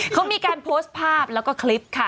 เขามีการโพสต์ภาพแล้วก็คลิปค่ะ